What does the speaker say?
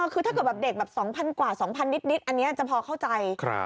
คือถ้าเกิดแบบเด็กแบบ๒๐๐กว่า๒๐๐นิดอันนี้จะพอเข้าใจ